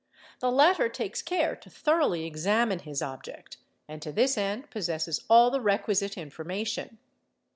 'The latter takes care to — thoroughly examine his object and to this end possesses all the requisite — information.